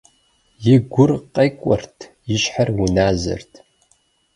И гур къекӏуэрт, и щхьэр уназэрт.